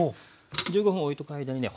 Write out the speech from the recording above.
１５分おいとく間にね